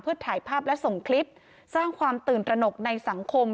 เพื่อถ่ายภาพและส่งคลิปสร้างความตื่นตระหนกในสังคม